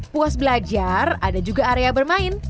puas belajar ada juga area bermain